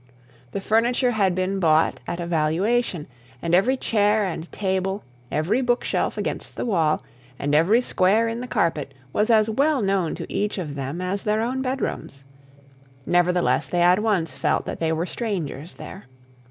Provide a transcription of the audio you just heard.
The furniture had been bought at a valuation, and every chair and table, every bookshelf against the wall, and every square in the carpet, was as well known to each of them as their own bedrooms. Nevertheless they at once felt that they were strangers there.